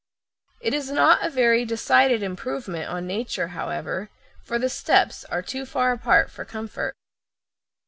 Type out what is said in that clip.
It is not a very decided improvement on nature, however, for the steps are too far apart for comfort.